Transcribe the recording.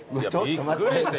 びっくりした。